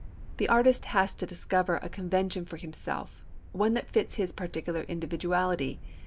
The artist has to discover a convention for himself, one that fits his particular individuality.